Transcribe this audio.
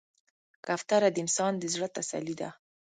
کوتره د انسان د زړه تسلي ده.